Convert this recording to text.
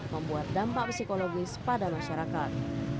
membuat dampak psikologis pada masyarakat